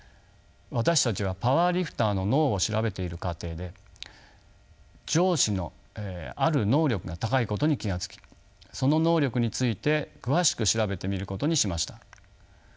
私たちはパワーリフターの脳を調べている過程で上肢のある能力が高いことに気が付きその能力について詳しく調べてみることにしました。